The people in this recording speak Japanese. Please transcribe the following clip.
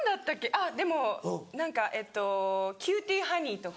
あぁでも何かえっとキューティーハニーとか。